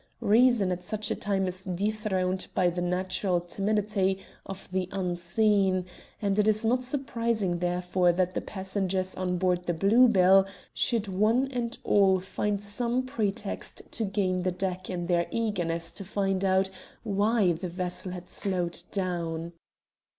Reason at such a time is dethroned by the natural timidity of the unseen, and it is not surprising therefore that the passengers on board the Blue Bell should one and all find some pretext to gain the deck in their eagerness to find out why the vessel had slowed down.